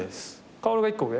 薫が１個上？